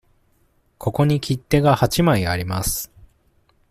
ここに切手が八枚あります。